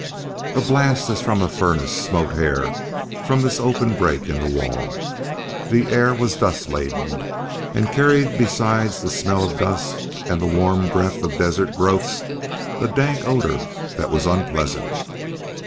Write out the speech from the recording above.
A blast as from a furnace smote Hare from this open break in the wall. The air was dust laden, and carried besides the smell of dust and the warm breath of desert growths, a dank odor that was unpleasant.